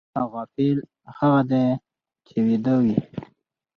غافل هغه دی چې ویده وي